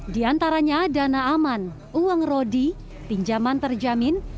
di antaranya dana aman uang rodi pinjaman terjamin